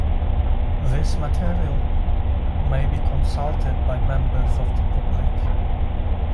This material may be consulted by members of the public.